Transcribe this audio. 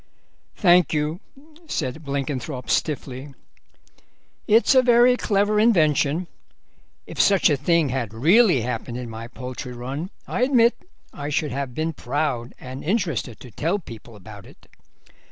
"Thank you," said Blenkinthrope stiffly; "it's a very clever invention. If such a thing had really happened in my poultry run I admit I should have been proud and interested to tell people about it.